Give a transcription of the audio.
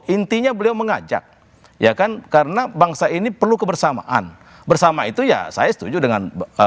intinya beliau mengajak ya kan karena bangsa ini perlu kebersamaan bersama itu ya saya setuju dengan